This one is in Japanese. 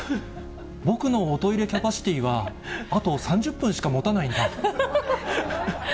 僕のおトイレキャパシティーは、あと３０分しかもたないんだ。